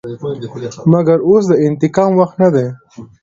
مګر اوس د انتقام وخت نه دى.